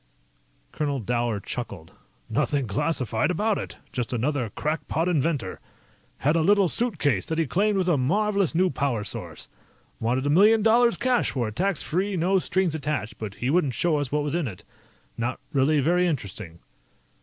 Colonel Dower chuckled. "Nothing classified about it. Just another crackpot inventor. Had a little suitcase that he claimed was a marvelous new power source. Wanted a million dollars cash for it, tax free, no strings attached, but he wouldn't show us what was in it. Not really very interesting."